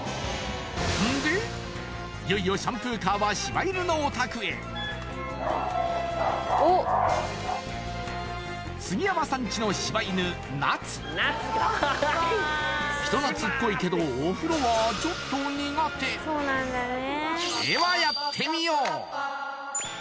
んでいよいよシャンプーカーは柴犬のお宅へおっ杉山さんちの人なつっこいけどお風呂はちょっと苦手ではやってみよう！